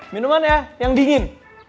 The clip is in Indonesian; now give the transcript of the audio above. minuman ya yang dingin